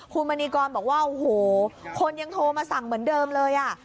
คุณมณีกรบอกว่าโอ้โหคนยังโทรมาสั่งเหมือนเดิมเลยอ่ะ